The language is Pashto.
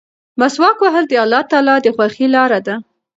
مسواک وهل د الله تعالی د خوښۍ لاره ده.